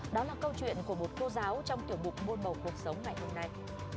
đó là câu chuyện của một cô giáo trong tiểu bục môn bầu cuộc sống ngày hôm nay